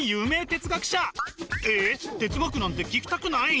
哲学なんて聞きたくない？